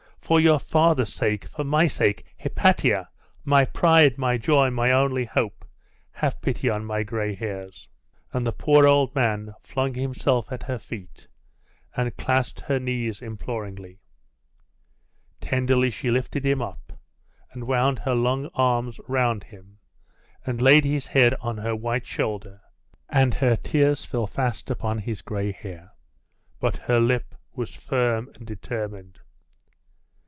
for your father's sake! for my sake! Hypatia! my pride, my joy, my only hope! have pity on my gray hairs!' And the poor old man flung himself at her feet, and clasped her knees imploringly. Tenderly she lifted him up, and wound her long arms round him, and laid his head on her white shoulder, and her tears fell fast upon his gray hair; but her lip was firm and determined.